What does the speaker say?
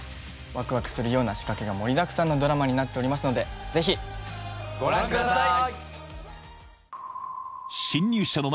ワクワクするような仕掛けが盛りだくさんのドラマになっておりますのでぜひご覧ください